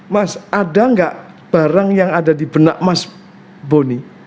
mas ada nggak barang yang ada di benak mas boni